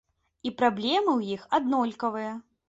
І праблемы ў іх аднолькавыя.